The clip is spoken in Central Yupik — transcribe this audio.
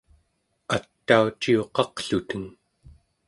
atauciuqaqluteng